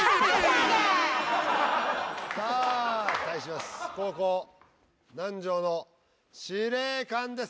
さあ対します